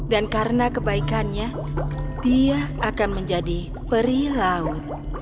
karena kebaikannya dia akan menjadi peri laut